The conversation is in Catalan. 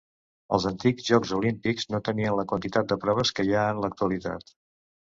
Els antics Jocs Olímpics no tenien la quantitat de proves que hi ha en l'actualitat.